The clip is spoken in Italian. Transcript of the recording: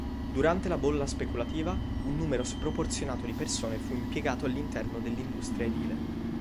Durante la bolla speculativa, un numero sproporzionato di persone fu impiegato all'interno dell'industria edile.